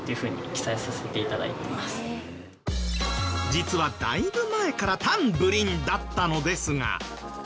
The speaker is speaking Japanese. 実はだいぶ前からタンブリンだったのですが。